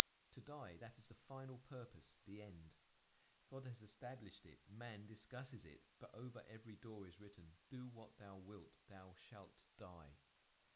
To die, that is the final purpose, the end. God has established it, man discusses it; but over every door is written: 'Do what thou wilt, thou shalt die.'